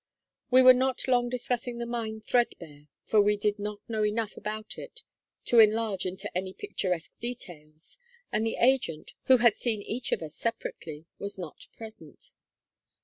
"We were not long discussing the mine threadbare, for we did not know enough about it to enlarge into any picturesque details, and the agent, who had seen each of us separately, was not present.